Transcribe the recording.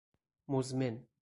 مزمن